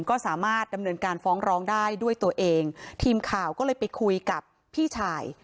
ก็สามารถดำเนินการฟ้องร้องได้ด้วยตัวเองทีมข่าวก็เลยไปคุยกับพี่ชาย